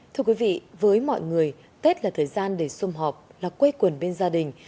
thưa quý vị với mọi người tết là thời gian để xung họp là quê quần bên gia đình